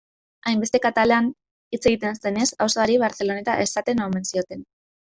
Hainbeste katalan hitz egiten zenez, auzoari Barceloneta esaten omen zioten.